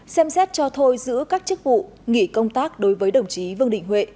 ba xem xét cho thôi giữa các chức vụ nghỉ công tác đối với đồng chí vương đình huệ